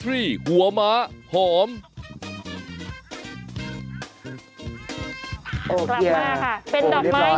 เป็นดอกไม้โอ้โฮเรียบร้อย